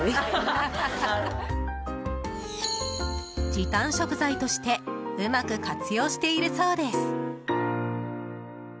時短食材としてうまく活用しているそうです。